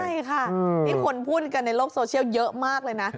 ใช่ค่ะนี่คนพูดกันในโลกโซเชียลเยอะมากเลยนะ